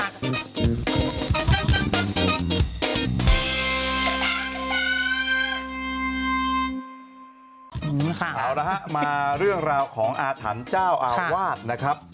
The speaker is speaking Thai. เอาละฮะมาเรื่องราวของอาถรรพ์เจ้าอาวาสนะครับ